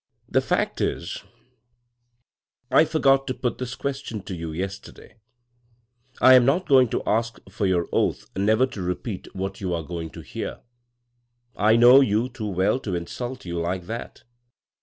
" The fact is, I forgot to put this question to you yesterday : I am not going to ask for your oath never to repeat what you THE SECRET NOTE 379 are going to hear. I know you too well to insult you like that.